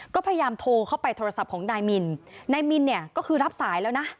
ก็พยายามโทรเข้าไปโทรศัพท์ของนายมินนายมินเนี่ยก็คือรับสายแล้วนะ